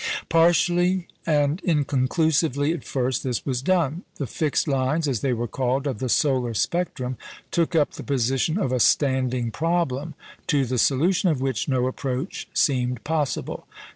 Partially and inconclusively at first this was done. The "fixed lines" (as they were called) of the solar spectrum took up the position of a standing problem, to the solution of which no approach seemed possible.